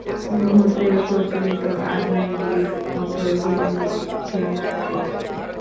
মুহূর্তে-প্রজ্বলিত অগ্নিশিখার মতো বিনোদিনী উঠিয়া দাঁড়াইল।